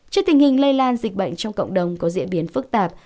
trước tình hình lây lan dịch bệnh trong cộng đồng có diễn biến phức tạp